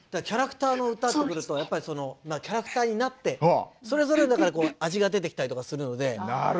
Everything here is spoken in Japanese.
キャラクターの歌ってやっぱりキャラクターになってそれぞれだから味が出てきたりとかするので。